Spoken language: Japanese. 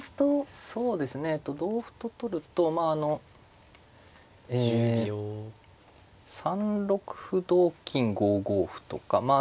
そうですね同歩と取るとまああのえ３六歩同金５五歩とかまあ